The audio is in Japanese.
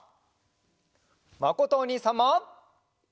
まことおにいさんも！